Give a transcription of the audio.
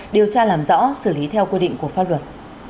điều tra làm rõ xử lý theo quy định của pháp luật